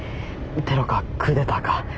テロかクーデターか。